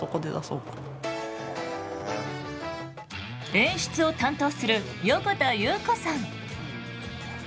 演出を担当する横田祐子さん。